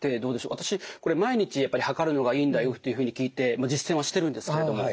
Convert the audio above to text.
私これ毎日やっぱり量るのがいいんだよっていうふうに聞いて実践はしてるんですけれども。